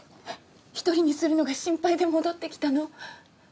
１人にするのが心配で戻ってきたの。